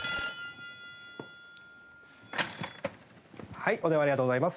はいお電話ありがとうございます。